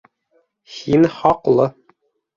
Һин хаҡлы.